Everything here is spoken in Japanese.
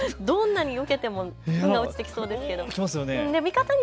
どんなによけても落ちてきそうですね。